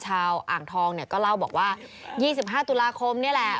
อ่างทองเนี่ยก็เล่าบอกว่า๒๕ตุลาคมนี่แหละ